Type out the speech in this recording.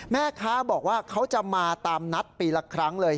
แม่ค้าบอกว่าเขาจะมาตามนัดปีละครั้งเลย